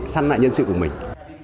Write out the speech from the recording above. săn lại nhân sự của mình